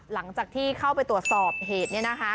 หลังจากที่เข้าไปตรวจสอบเหตุเนี่ยนะคะ